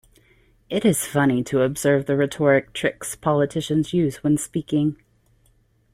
It's funny to observe the rhetoric tricks politicians use when speaking.